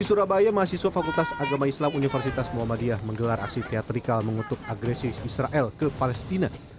di surabaya mahasiswa fakultas agama islam universitas muhammadiyah menggelar aksi teatrikal mengutuk agresif israel ke palestina